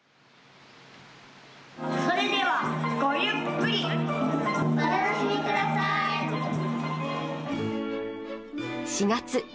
「それではごゆっくりお楽しみください」４月。